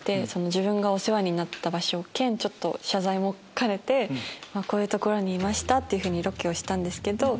自分がお世話になった場所兼ちょっと謝罪も兼ねてこういう所にいましたってロケをしたんですけど。